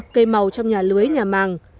cây màu trong nhà lưới nhà màng